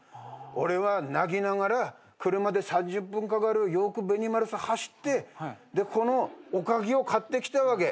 俺は泣きながら車で３０分かかるヨークベニマルさ走ってこのおかきを買ってきたわけ。